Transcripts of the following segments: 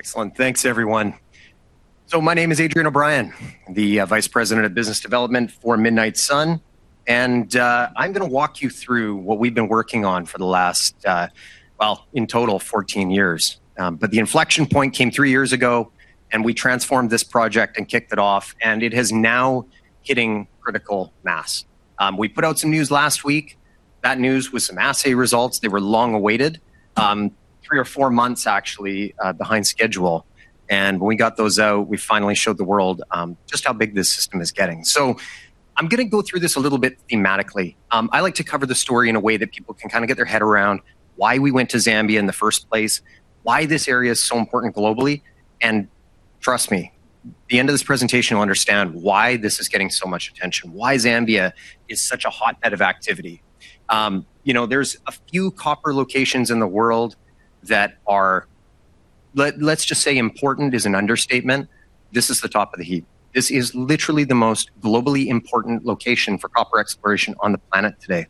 Excellent. Thanks, everyone. My name is Adrian O'Brien, the Vice President of Business Development for Midnight Sun, and I'm going to walk you through what we've been working on for the last, well, in total 14 years. The inflection point came three years ago, and we transformed this project and kicked it off, and it is now hitting critical mass. We put out some news last week. That news was some assay results. They were long-awaited, three or four months actually behind schedule, and when we got those out, we finally showed the world just how big this system is getting. I'm going to go through this a little bit thematically. I like to cover the story in a way that people can get their head around why we went to Zambia in the first place, why this area is so important globally. Trust me, the end of this presentation, you'll understand why this is getting so much attention, why Zambia is such a hotbed of activity. There's a few copper locations in the world that are, let's just say, important is an understatement. This is the top of the heap. This is literally the most globally important location for copper exploration on the planet today.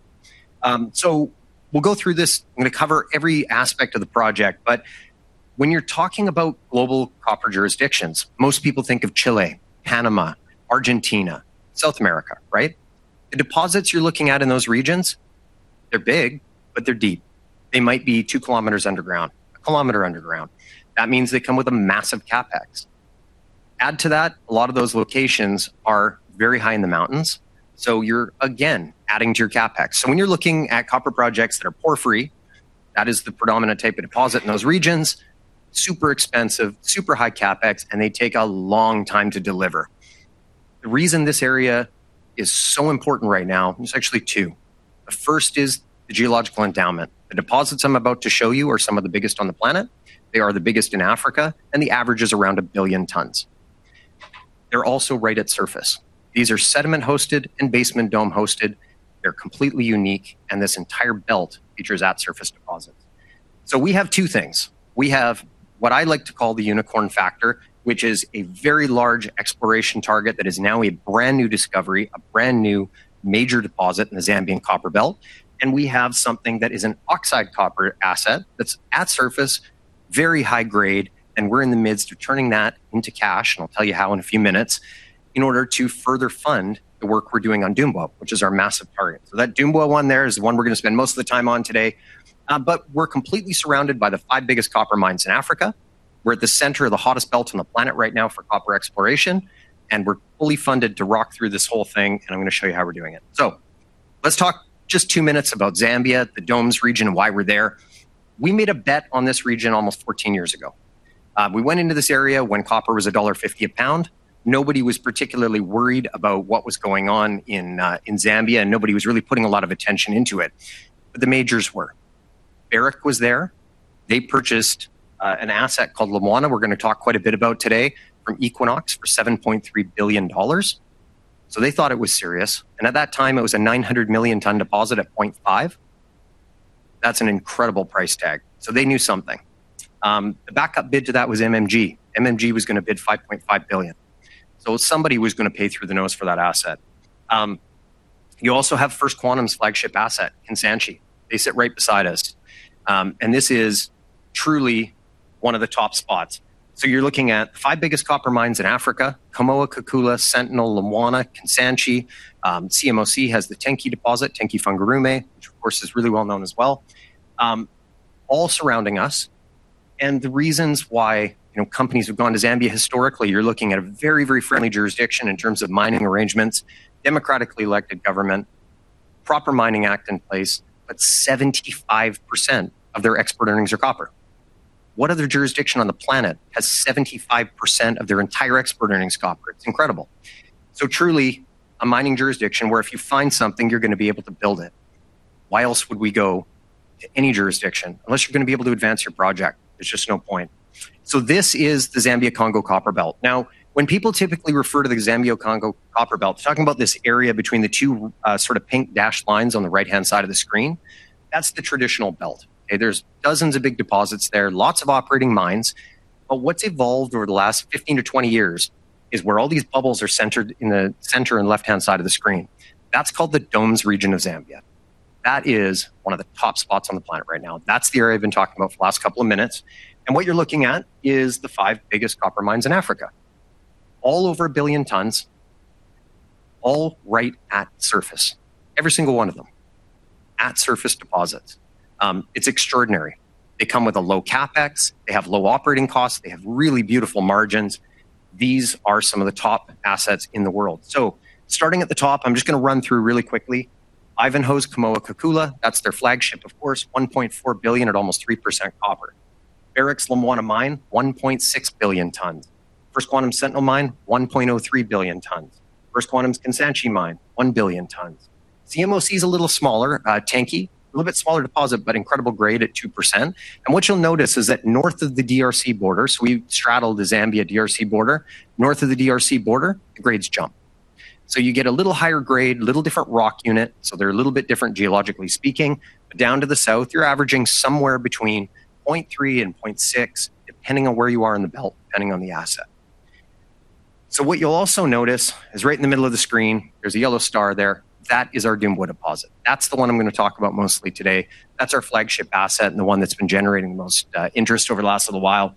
We'll go through this. I'm going to cover every aspect of the project, but when you're talking about global copper jurisdictions, most people think of Chile, Panama, Argentina, South America, right? The deposits you're looking at in those regions they're big, but they're deep. They might be 2 km underground, 1 km underground. That means they come with a massive CapEx. Add to that, a lot of those locations are very high in the mountains, so you're, again, adding to your CapEx. When you're looking at copper projects that are porphyry, that is the predominant type of deposit in those regions, super expensive, super high CapEx, and they take a long time to deliver. The reason this area is so important right now there's actually two. The first is the geological endowment. The deposits I'm about to show you are some of the biggest on the planet. They are the biggest in Africa, and the average is around a billion tons. They're also right at surface. These are sediment-hosted and basement dome-hosted. They're completely unique, and this entire belt features at-surface deposits. We have two things. We have what I like to call the unicorn factor, which is a very large exploration target that is now a brand-new discovery, a brand-new major deposit in the Zambian copper belt. We have something that is an oxide copper asset that's at the surface, very high grade, and we're in the midst of turning that into cash, and I'll tell you how in a few minutes, in order to further fund the work we're doing on Dumbwa, which is our massive target. That Dumbwa one there is the one we're going to spend most of the time on today. We're completely surrounded by the five biggest copper mines in Africa. We're at the center of the hottest belt on the planet right now for copper exploration, and we're fully funded to rock through this whole thing, and I'm going to show you how we're doing it. Let's talk just two minutes about Zambia, the Domes region, and why we're there. We made a bet on this region almost 14 years ago. We went into this area when copper was $1.50 a lbs. Nobody was particularly worried about what was going on in Zambia, and nobody was really putting a lot of attention into it. The majors were. Barrick was there. They purchased an asset called Lumwana, we're going to talk quite a bit about today, from Equinox for $7.3 billion. They thought it was serious, and at that time, it was a 900 million ton deposit at $0.5. That's an incredible price tag. The backup bid to that was MMG. MMG was going to bid $5.5 billion. Somebody was going to pay through the nose for that asset. You also have First Quantum's flagship asset, Kansanshi. They sit right beside us. This is truly one of the top spots. You're looking at the five biggest copper mines in Africa: Kamoa Kakula, Sentinel, Lumwana, Kansanshi. CMOC has the Tenke deposit, Tenke Fungurume, which, of course, is really well-known as well, all surrounding us. The reasons why companies have gone to Zambia historically, you're looking at a very, very friendly jurisdiction in terms of mining arrangements, a democratically elected government, a proper mining act in place, but 75% of their export earnings are copper. What other jurisdiction on the planet has 75% of their entire export earnings in copper? It's incredible. Truly, a mining jurisdiction where if you find something, you're going to be able to build it. Why else would we go to any jurisdiction? Unless you're going to be able to advance your project, there's just no point. This is the Zambia-Congo copper belt. Now, when people typically refer to the Zambia-Congo copper belt, they're talking about this area between the two pink dashed lines on the right-hand side of the screen. That's the traditional belt. There's dozens of big deposits there, lots of operating mines. What's evolved over the last 15-20 years is where all these bubbles are centered in the center and left-hand side of the screen. That's called the Domes Region of Zambia. That is one of the top spots on the planet right now. That's the area I've been talking about for the last couple of minutes. What you're looking at is the five biggest copper mines in Africa, all over 1 billion tons, all right at the surface. Every single one of them, at-surface deposit. It's extraordinary. They come with a low CapEx. They have low operating costs. They have really beautiful margins. These are some of the top assets in the world. Starting at the top, I'm just going to run through really quickly. Ivanhoe Mines' Kamoa Kakula, that's their flagship, of course, $1.4 billion at almost 3% copper. Barrick's Lumwana Mine, 1.6 billion tons. First Quantum Minerals' Sentinel Mine, 1.03 billion tons. First Quantum Minerals' Kansanshi Mine, 1 billion tons. CMOC's a little smaller, Tenke, a little bit smaller deposit, but incredible grade at 2%. What you'll notice is that north of the D.R.C. border, we straddle the Zambia-D.R.C. border, North of the D.R.C. border, the grades jump. You get a little higher grade, little different rock unit, they're a little bit different geologically speaking. Down to the south, you're averaging somewhere between 0.3% and 0.6%, depending on where you are in the belt, depending on the asset. What you'll also notice is right in the middle of the screen, there's a yellow star there. That is our Dumbwa deposit. That's the one I'm going to talk about mostly today. That's our flagship asset and the one that's been generating the most interest over the last little while.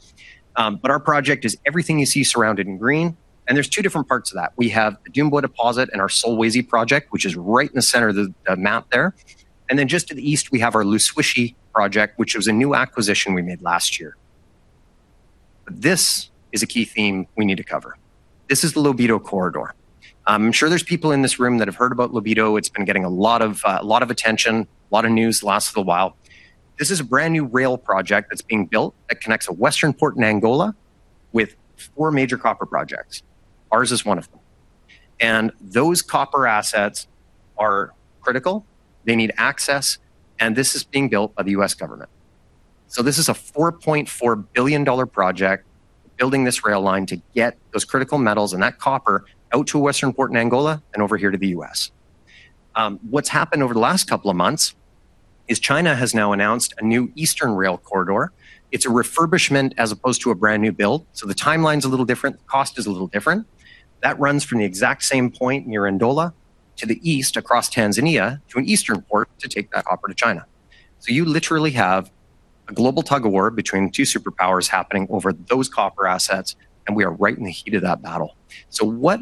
Our project is everything you see surrounded in green, and there's two different parts to that. We have the Dumbwa deposit and our Solwezi project, which is right in the center of the map there. Just to the east, we have our Luswishi project, which was a new acquisition we made last year. This is a key theme we need to cover. This is the Lobito Corridor. I'm sure there's people in this room that have heard about Lobito. It's been getting a lot of attention, a lot of news, the last little while. This is a brand-new rail project that's being built that connects a western port in Angola with four major copper projects. Ours is one of them. Those copper assets are critical. They need access, and this is being built by the U.S. government. This is a $4.4 billion project, building this rail line to get those critical metals and that copper out to a western port in Angola and over here to the U.S. What's happened over the last couple of months is China has now announced a new eastern rail corridor. It's a refurbishment as opposed to a brand-new build, so the timeline's a little different, the cost is a little different. That runs from the exact same point near Ndola to the east across Tanzania to an eastern port to take that copper to China. You literally have a global tug-of-war between two superpowers happening over those copper assets, and we are right in the heat of that battle. What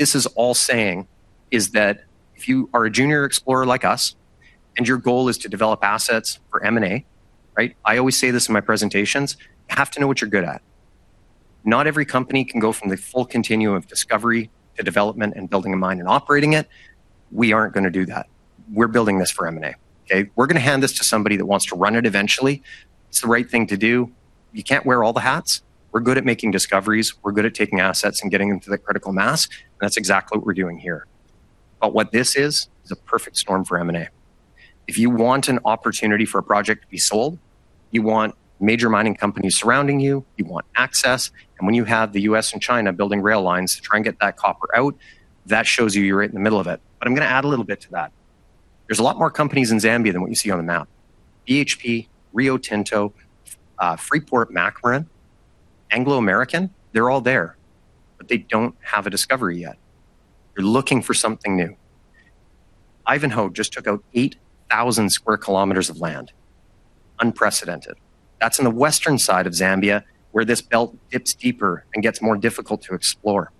this is all saying is that if you are a junior explorer like us and your goal is to develop assets for M&A, right? I always say this in my presentations: You have to know what you're good at. Not every company can go from the full continuum of discovery to development and building a mine and operating it. We aren't going to do that. We're building this for M&A, okay? We're going to hand this to somebody that wants to run it eventually. It's the right thing to do. You can't wear all the hats. We're good at making discoveries. We're good at taking assets and getting them to the critical mass, and that's exactly what we're doing here. What this is a perfect storm for M&A. If you want an opportunity for a project to be sold, you want major mining companies surrounding you, want access, and when you have the U.S. and China building rail lines to try and get that copper out, that shows you you're right in the middle of it. I'm going to add a little bit to that. There's a lot more companies in Zambia than what you see on the map. BHP, Rio Tinto, Freeport-McMoRan, Anglo American, they're all there, but they don't have a discovery yet. They're looking for something new. Ivanhoe just took out 8,000 sq km of land. Unprecedented. That's in the western side of Zambia, where this belt dips deeper and gets more difficult to explore.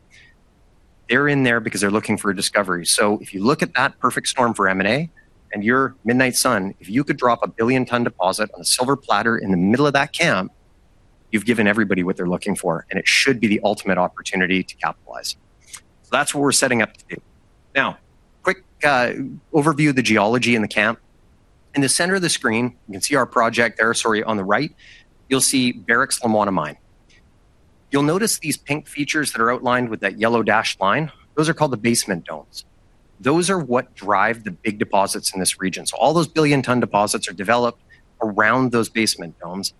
They're in there because they're looking for a discovery. If you look at that perfect storm for M&A and you're Midnight Sun, if you could drop a 1 billion-ton deposit on a silver platter in the middle of that camp, you've given everybody what they're looking for, and it should be the ultimate opportunity to capitalize. That's what we're setting up to do. Now, a quick overview of the geology in the camp. In the center of the screen, you can see our project there. Sorry, on the right, you'll see Barrick's Lumwana Mine. You'll notice these pink features that are outlined with that yellow dashed line. Those are called the basement domes. Those are what drive the big deposits in this region. All those billion-ton deposits are developed around those basement domes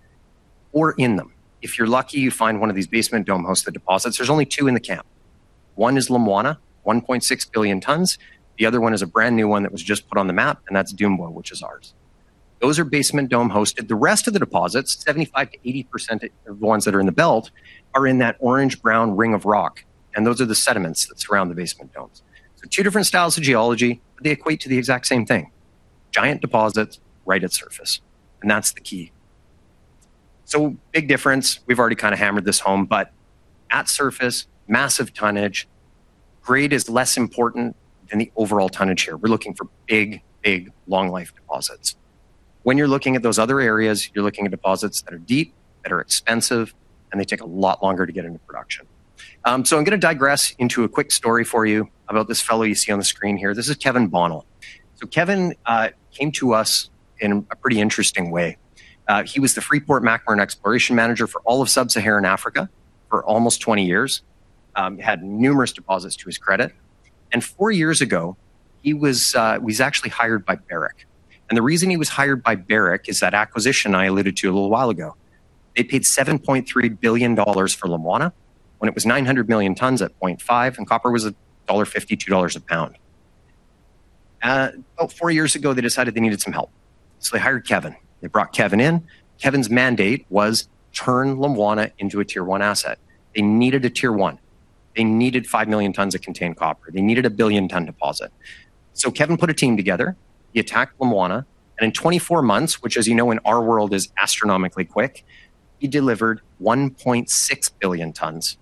or in them. If you're lucky, you find one of these basement dome-hosted deposits. There's only two in the camp. One is Lumwana, 1.6 billion tons. The other one is a brand-new one that was just put on the map, and that's Dumbwa, which is ours. Those are basement dome-hosted. The rest of the deposits, 75%-80% of the ones that are in the belt, are in that orange-brown ring of rock, and those are the sediments that surround the basement domes. Two different styles of geology. They equate to the exact same thing, giant deposits right at the surface, and that's the key. Big difference, we've already kind of hammered this home, but at surface, massive tonnage, grade is less important than the overall tonnage here. We're looking for big, big long-life deposits. When you're looking at those other areas, you're looking at deposits that are deep, that are expensive, and they take a lot longer to get into production. I'm going to digress into a quick story for you about this fellow you see on the screen here. This is Kevin Bonnell. Kevin came to us in a pretty interesting way. He was the Freeport-McMoRan exploration manager for all of sub-Saharan Africa for almost 20 years. Had numerous deposits to his credit. Four years ago, he was actually hired by Barrick. The reason he was hired by Barrick is that acquisition I alluded to a little while ago. They paid $7.3 billion for Lumwana when it was 900 million tons at 0.5, and copper was $1.50 to $2 a lbs. About four years ago, they decided they needed some help. They hired Kevin. They brought Kevin in. Kevin's mandate was to turn Lumwana into a Tier 1 asset. They needed a Tier 1. They needed 5 million tons of contained copper. They needed a 1 billion-ton deposit. Kevin put a team together. He attacked Lumwana, and in 24 months, which, as you know, in our world is astronomically quick, he delivered 1.6 billion tons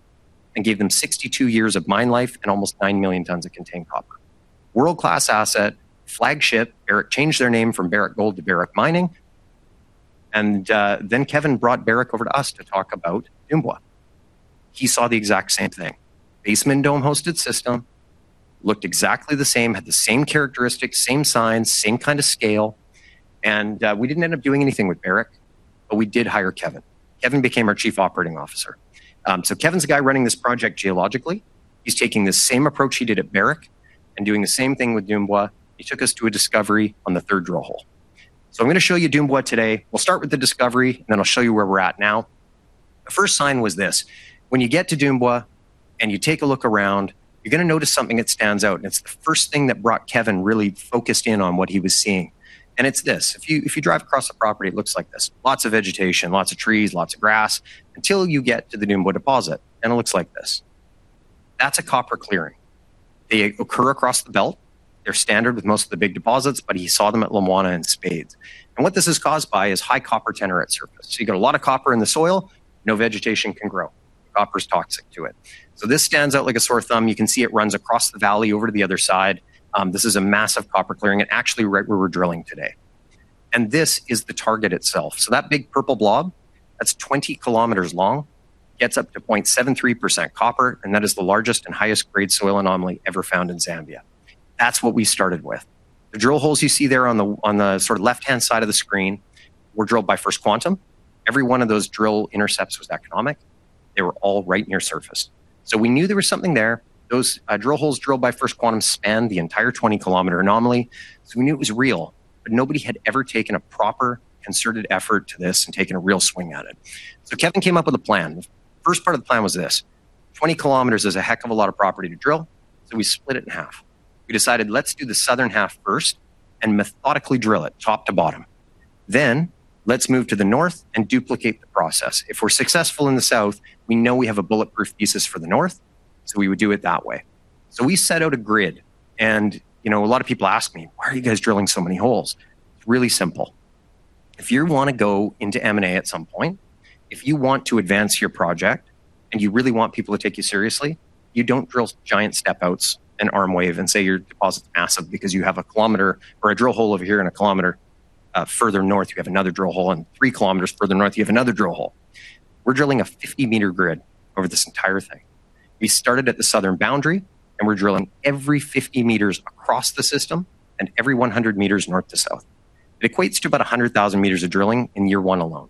and gave them 62 years of mine life and almost 9 million tons of contained copper. World-class asset, flagship. Barrick changed their name from Barrick Gold to Barrick Mining. Kevin brought Barrick over to us to talk about Dumbwa. He saw the exact same thing. Basement dome-hosted system looked exactly the same, had the same characteristics, same signs, same kind of scale, and we didn't end up doing anything with Barrick, but we did hire Kevin. Kevin became our Chief Operating Officer. Kevin's the guy running this project geologically. He's taking the same approach he did at Barrick and doing the same thing with Dumbwa. He took us to a discovery on the third drill hole. I'm going to show you Dumbwa today. We'll start with the discovery, and then I'll show you where we're at now. The first sign was this. When you get to Dumbwa, and you take a look around, you're going to notice something that stands out, and it's the first thing that brought Kevin really focused in on what he was seeing. It's this. If you drive across the property, it looks like this. Lots of vegetation, lots of trees, lots of grass, until you get to the Dumbwa deposit, and it looks like this. That's a copper clearing. They occur across the belt. They're standard with most of the big deposits, but he saw them at Lumwana in spades. What this is caused by is high copper tenor at the surface. You get a lot of copper in the soil, no vegetation can grow. Copper's toxic to it. This stands out like a sore thumb. You can see it runs across the valley over to the other side. This is a massive copper clearing and actually right where we're drilling today. This is the target itself. That big purple blob, that's 20 km long, gets up to 0.73% copper, and that is the largest and highest grade soil anomaly ever found in Zambia. That's what we started with. The drill holes you see there on the left-hand side of the screen were drilled by First Quantum. Every one of those drill intercepts was economic. They were all right near the surface. We knew there was something there. Those drill holes drilled by First Quantum span the entire 20 km anomaly. We knew it was real, but nobody had ever taken a proper concerted effort to this and taken a real swing at it. Kevin came up with a plan. First part of the plan was this: 20 km is a heck of a lot of property to drill, so we split it in half. We decided let's do the southern half first and methodically drill it top to bottom. Let's move to the north and duplicate the process. If we're successful in the south, we know we have a bulletproof thesis for the north, so we would do it that way. We set out a grid, and a lot of people ask me, ''Why are you guys drilling so many holes?" Really simple. If you want to go into M&A at some point, if you want to advance your project, and you really want people to take you seriously, you don't drill giant step outs and arm wave and say your deposit's massive because you have a drill hole over here and a kilometer further north, you have another drill hole, and 3 km further north, you have another drill hole. We're drilling a 50 m grid over this entire thing. We started at the southern boundary, and we're drilling every 50 m across the system and every 100 m north to south. It equates to about 100,000 m of drilling in year one alone.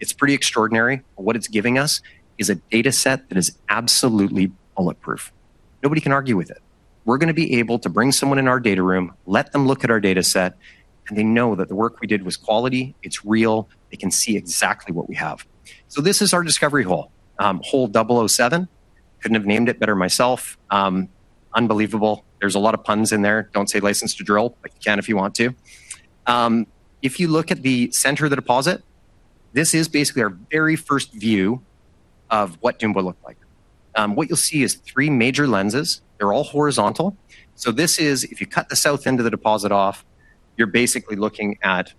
It's pretty extraordinary, but what it's giving us is a data set that is absolutely bulletproof. Nobody can argue with it. We're going to be able to bring someone in our data room, let them look at our data set, and they know that the work we did was quality, it's real. They can see exactly what we have. This is our discovery hole DBW-25-007. Couldn't have named it better myself. Unbelievable. There's a lot of puns in there. Don't say license to drill, but you can if you want to. If you look at the center of the deposit, this is basically our very first view of what Dumbwa looked like. What you'll see is three major lenses. They're all horizontal. This is if you cut the south end of the deposit off, you're basically looking at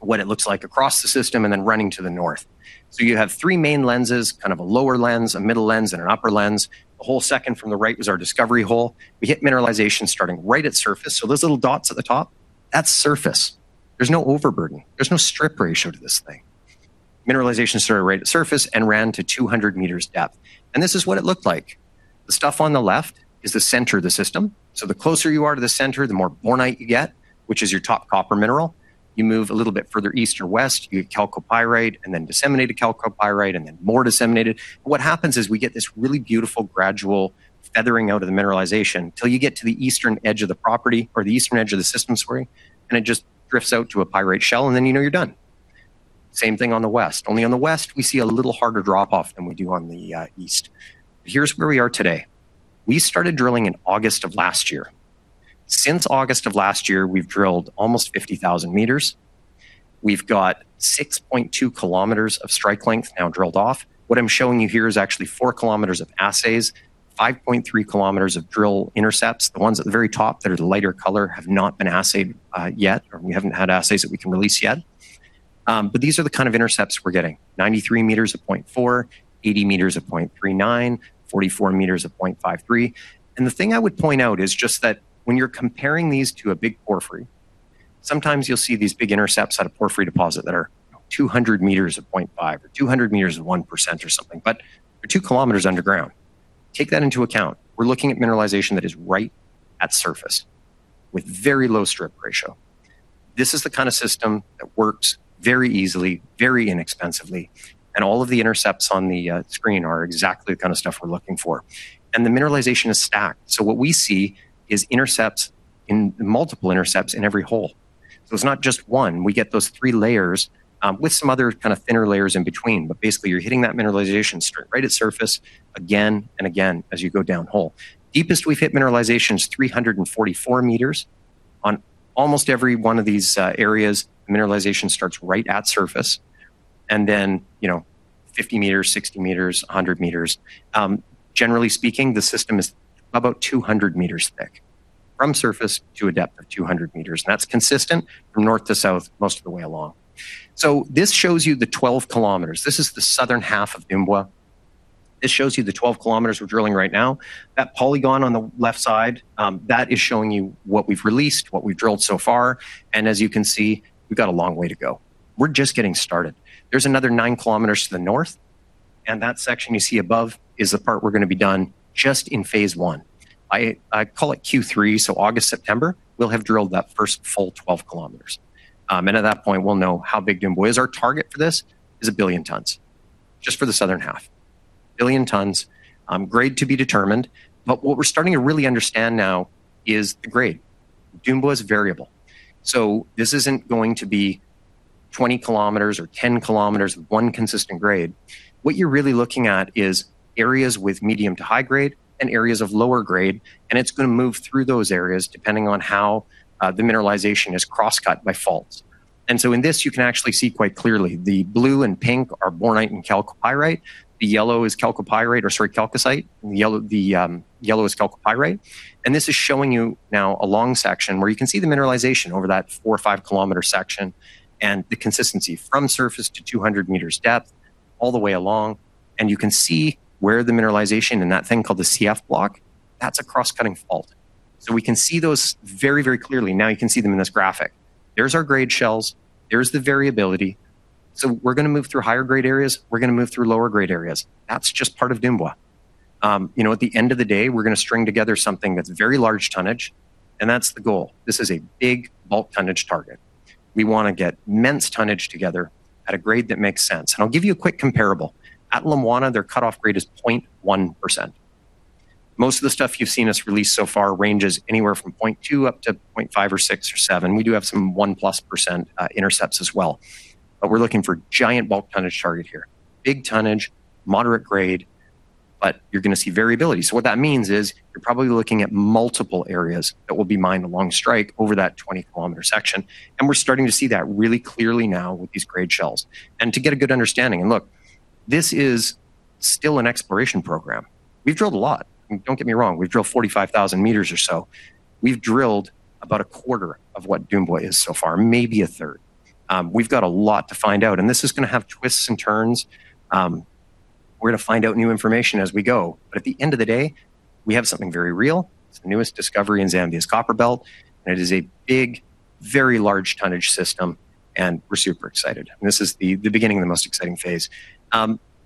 what it looks like across the system, and then running to the north. You have three main lenses, kind of a lower lens, a middle lens, and an upper lens. The hole second from the right was our discovery hole. We hit mineralization starting right at the surface. Those little dots at the top that's the surface. There's no overburden. There's no strip ratio to this thing. Mineralization started right at the surface and ran to 200 m depth. This is what it looked like. The stuff on the left is the center of the system. The closer you are to the center, the more bornite you get, which is your top copper mineral. You move a little bit further east or west, you get chalcopyrite, and then disseminated chalcopyrite, and then more disseminated. What happens is we get this really beautiful gradual feathering out of the mineralization till you get to the eastern edge of the property or the eastern edge of the system, sorry, and it just drifts out to a pyrite shell, and then you know you're done. Same thing on the west. Only on the west, we see a little harder drop-off than we do on the east. Here's where we are today. We started drilling in August of last year. Since August of last year, we've drilled almost 50,000 m. We've got 6.2 km of strike length now drilled off. What I'm showing you here is actually 4 km of assays, 5.3 km of drill intercepts. The ones at the very top that are the lighter color have not been assayed yet, or we haven't had assays that we can release yet. These are the kind of intercepts we're getting. 93 m of 0.4, 80 m of 0.39, 44 m of 0.53. The thing I would point out is just that when you're comparing these to a big porphyry, sometimes you'll see these big intercepts at a porphyry deposit that are 200 m of 0.5 or 200 m of 1% or something, but they're 2 km underground. Take that into account. We're looking at mineralization that is right at the surface with a very low strip ratio. This is the kind of system that works very easily, very inexpensively, and all of the intercepts on the screen are exactly the kind of stuff we're looking for. The mineralization is stacked. What we see is intercepts in multiple intercepts in every hole. It's not just one. We get those three layers, with some other thinner layers in between. Basically, you're hitting that mineralization strip right at the surface again and again as you go down hole. Deepest we've hit mineralization is 344 m. On almost every one of these areas, mineralization starts right at the surface and then 50 m, 60 m, 100 m. Generally speaking, the system is about 200 m thick from the surface to a depth of 200 m. That's consistent from north to south most of the way along. This shows you the 12 km. This is the southern half of Dumbwa. This shows you the 12 km we're drilling right now. That polygon on the left side that is showing you what we've released, what we've drilled so far, and as you can see, we've got a long way to go. We're just getting started. There's another nine kilometers to the north, and that section you see above is the part we're going to be done just in phase 1. I call it Q3, so August, September, we'll have drilled that first full 12 km. At that point, we'll know how big Dumbwa is. Our target for this is 1 billion tons, just for the southern half. 1 billion tons. Grade to be determined. What we're starting to really understand now is the grade. Dumbwa is variable. This isn't going to be 20 km or 10 km of one consistent grade. What you're really looking at is areas with medium to high grade and areas of lower grade, and it's going to move through those areas depending on how the mineralization is cross-cut by faults. In this, you can actually see quite clearly the blue and pink are bornite and chalcopyrite, the yellow is chalcocite, and the yellow is chalcopyrite. This is showing you now a long section where you can see the mineralization over that 4 km or 5 km section and the consistency from surface to 200 m depth all the way along, and you can see where the mineralization in that thing called the CF block, that's a cross-cutting fault. We can see those very clearly. Now you can see them in this graphic. There's our grade shells, there's the variability. We're going to move through higher grade areas, we're going to move through lower grade areas. That's just part of Dumbwa. At the end of the day, we're going to string together something that's very large tonnage, and that's the goal. This is a big bulk tonnage target. We want to get immense tonnage together at a grade that makes sense. I'll give you a quick comparable. At Lumwana, their cutoff grade is 0.1%. Most of the stuff you've seen us release so far ranges anywhere from 0.2% up to 0.5% or 0.6% or 0.7%. We do have some 1+ % intercepts as well. We're looking for a giant bulk tonnage target here. Big tonnage, moderate grade, but you're going to see variability. What that means is you're probably looking at multiple areas that will be mined along strike over that 20-km section, and we're starting to see that really clearly now with these grade shells. To get a good understanding, and look, this is still an exploration program. We've drilled a lot. Don't get me wrong. We've drilled 45,000 m or so. We've drilled about a quarter of what Dumbwa is so far, maybe a third. We've got a lot to find out. This is going to have twists and turns. We're going to find out new information as we go. At the end of the day, we have something very real. It's the newest discovery in Zambia's copper belt. It is a big, very large tonnage system. We're super excited. This is the beginning of the most exciting phase.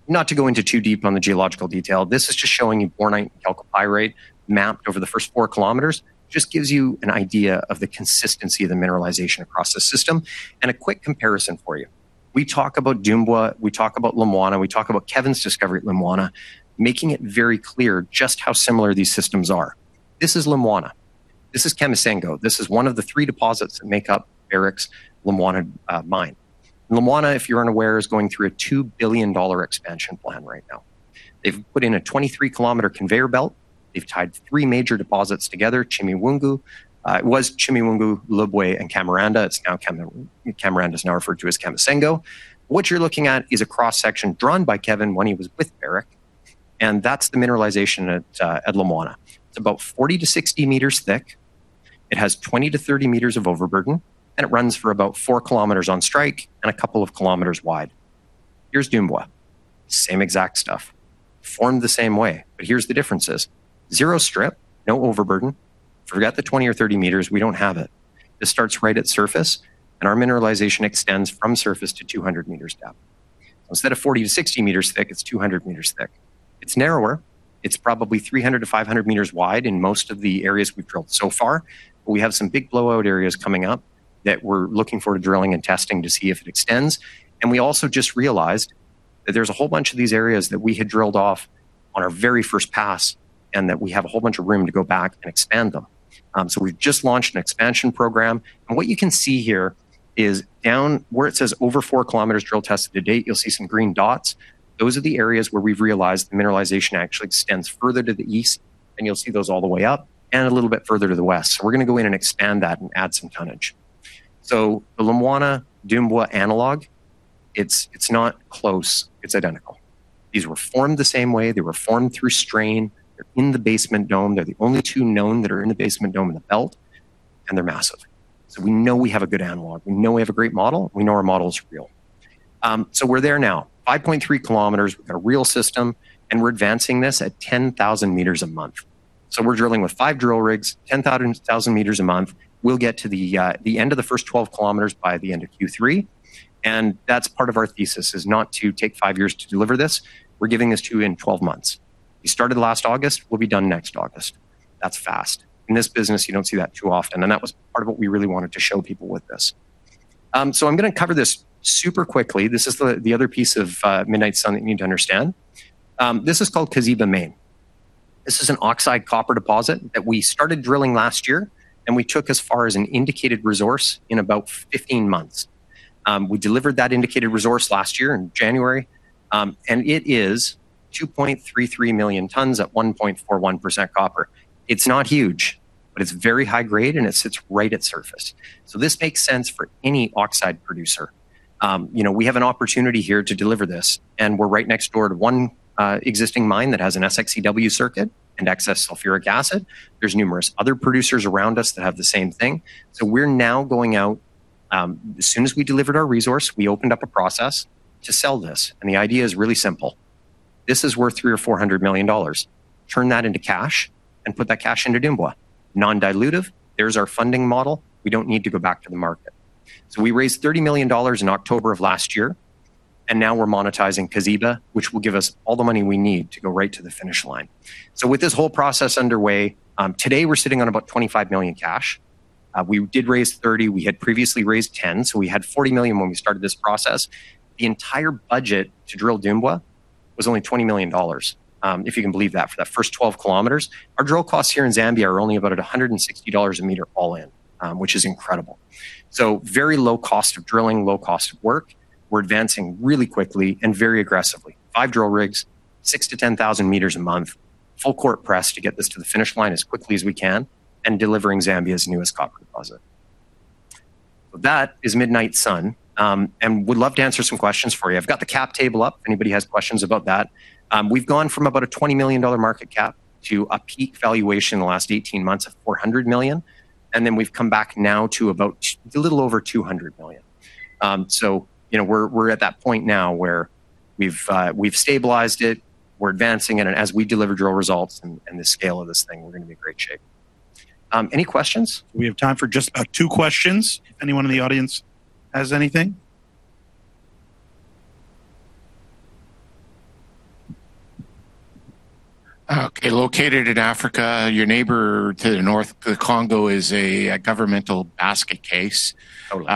Not to go into too deep on the geological detail, this is just showing you bornite and chalcopyrite mapped over the first 4 km. Just gives you an idea of the consistency of the mineralization across the system. A quick comparison for you. We talk about Dumbwa, we talk about Lumwana, we talk about Kevin's discovery at Lumwana, making it very clear just how similar these systems are. This is Lumwana. This is Kamisengo. This is one of the three deposits that make up Barrick's Lumwana mine. Lumwana, if you're unaware, is going through a $2 billion expansion plan right now. They've put in a 23-km conveyor belt. They've tied three major deposits together, Chimiwungo, Lubwe, and Kamaranda. Kamaranda's now referred to as Kamisengo. What you're looking at is a cross-section drawn by Kevin when he was with Barrick, and that's the mineralization at Lumwana. It's about 40 m-60 m thick. It has 20 m-30 m of overburden, and it runs for about 4 km on strike and a couple of kilometers wide. Here's Dumbwa. Same exact stuff. Formed the same way. Here's the differences. Zero strip, no overburden. Forget the 20 m or 30 m, we don't have it. This starts right at the surface, and our mineralization extends from the surface to 200 m depth. Instead of 40 m-60 m thick, it's 200 m thick. It's narrower. It's probably 300 m-500 m wide in most of the areas we've drilled so far. We have some big blowout areas coming up that we're looking for drilling and testing to see if it extends. We also just realized that there's a whole bunch of these areas that we had drilled off on our very first pass, and that we have a whole bunch of room to go back and expand them. We've just launched an expansion program, and what you can see here is down where it says, "Over 4 km drill tested to date," you'll see some green dots. Those are the areas where we've realized the mineralization actually extends further to the east, and you'll see those all the way up, and a little bit further to the west. We're going to go in and expand that and add some tonnage. The Lumwana, Dumbwa analog, it's not close, it's identical. These were formed the same way. They were formed through strain. They're in the basement dome. They're the only two known that are in the basement dome in the belt, and they're massive. We know we have a good analog. We know we have a great model. We know our model is real. We're there now. 5.3 km with a real system, and we're advancing this at 10,000 m a month. We're drilling with five drill rigs, 10,000 m a month. We'll get to the end of the first 12 km by the end of Q3, and that's part of our thesis is not to take five years to deliver this. We're giving this to you in 12 months. We started last August, we'll be done next August. That's fast. In this business, you don't see that too often, and that was part of what we really wanted to show people with this. I'm going to cover this super quickly. This is the other piece of Midnight Sun that you need to understand. This is called Kaziba Main. This is an oxide copper deposit that we started drilling last year, and we took as far as an indicated resource in about 15 months. We delivered that indicated resource last year in January, and it is 2.33 million tons at 1.41% copper. It's not huge, but it's very high grade, and it sits right at the surface. This makes sense for any oxide producer. We have an opportunity here to deliver this, and we're right next door to one existing mine that has an SX-EW circuit and excess sulfuric acid. There's numerous other producers around us that have the same thing. We're now going out. As soon as we delivered our resource, we opened up a process to sell this, and the idea is really simple. This is worth $300 million or $400 million. Turn that into cash and put that cash into Dumbwa. Non-dilutive. There's our funding model. We don't need to go back to the market. We raised $30 million in October of last year, and now we're monetizing Kaziba, which will give us all the money we need to go right to the finish line. With this whole process underway, today we're sitting on about $25 million cash. We did raise $30 million. We had previously raised $10 million, so we had $40 million when we started this process. The entire budget to drill Dumbwa was only $20 million, if you can believe that, for that first 12 km. Our drill costs here in Zambia are only about at $160 a meter all in, which is incredible. Very low cost of drilling, low cost of work. We're advancing really quickly and very aggressively. Five drill rigs, 6,000 m-10,000 m a month, full court press to get this to the finish line as quickly as we can, and delivering Zambia's newest copper deposit. That is Midnight Sun, and I would love to answer some questions for you. I've got the cap table up, if anybody has questions about that. We've gone from about a $20 million market cap to a peak valuation in the last 18 months of $400 million, and then we've come back now to about a little over $200 million. We're at that point now where we've stabilized it, we're advancing it, and as we deliver drill results and the scale of this thing, we're going to be in great shape. Any questions? We have time for just about two questions, if anyone in the audience has anything. Okay, located in Africa, your neighbor to the north, the Congo, is a governmental basket case. Totally.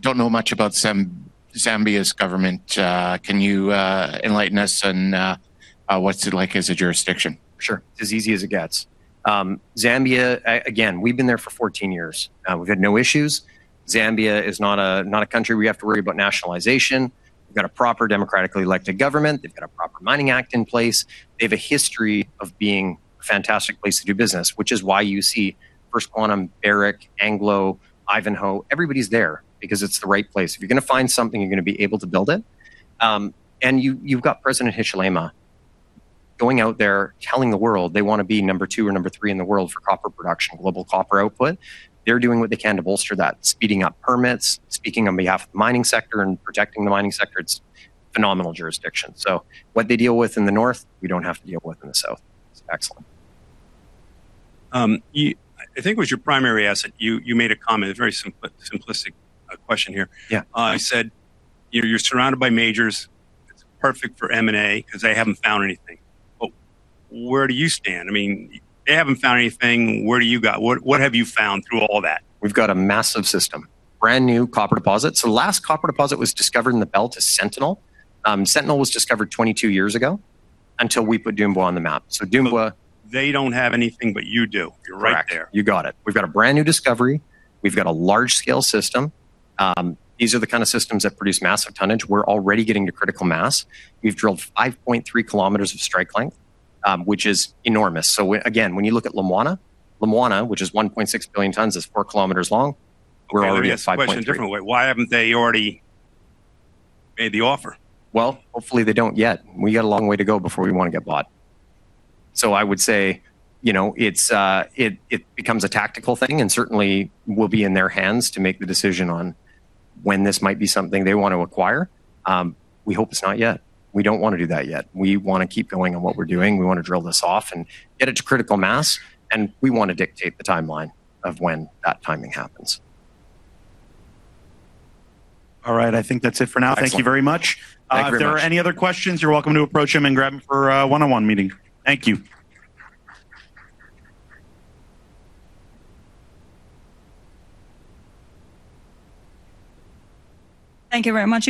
Don't know much about Zambia's government. Can you enlighten us on what's it's like as a jurisdiction? Sure. As easy as it gets. Zambia, again, we've been there for 14 years. We've had no issues. Zambia is not a country we have to worry about nationalization. We've got a proper democratically elected government. They've got a proper mining act in place. They have a history of being a fantastic place to do business, which is why you see First Quantum, Barrick, Anglo, Ivanhoe, everybody's there because it's the right place. If you're going to find something, you're going to be able to build it. You've got President Hichilema going out there telling the world they want to be number two or number three in the world for copper production, global copper output. They're doing what they can to bolster that, speeding up permits, speaking on behalf of the mining sector, and protecting the mining sector. It's a phenomenal jurisdiction. What they deal with in the north, we don't have to deal with in the south. It's excellent. I think it was your primary asset. You made a comment, a very simplistic question here. Yeah. You said you're surrounded by majors; it's perfect for M&A because they haven't found anything. Where do you stand? They haven't found anything. What have you found through all that? We've got a massive system. Brand new copper deposit. The last copper deposit was discovered in the belt is Sentinel. Sentinel was discovered 22 years ago, until we put Dumbwa on the map. They don't have anything, but you do. You're right there. Correct. You got it. We've got a brand new discovery. We've got a large-scale system. These are the kind of systems that produce massive tonnage. We're already getting to critical mass. We've drilled 5.3 km of strike length, which is enormous. Again, when you look at Lumwana, which is 1.6 billion tons, is 4 km long. We're already at 5.3 km. Let me ask the question a different way. Why haven't they already made the offer? Well, hopefully they don't yet. We got a long way to go before we want to get bought. I would say, it becomes a tactical thing, and certainly will be in their hands to make the decision on when this might be something they want to acquire. We hope it's not yet. We don't want to do that yet. We want to keep going on what we're doing. We want to drill this off and get it to critical mass, and we want to dictate the timeline of when that timing happens. All right. I think that's it for now. Excellent. Thank you very much. Thank you very much. If there are any other questions, you're welcome to approach him and grab him for a one-on-one meeting. Thank you. Thank you very much.